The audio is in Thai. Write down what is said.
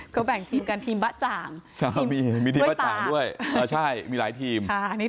เขาแบ่งตีมกันทีมบ้อะจางด้วยตาคมีทีมบ้ะจางด้วยแต่ใช่มีหลายทีม